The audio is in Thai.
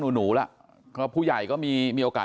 ได้นะครับ